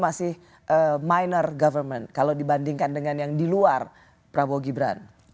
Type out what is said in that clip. maksudnya yang di luar prabowo gibran itu masih minor government kalau dibandingkan dengan yang di luar prabowo gibran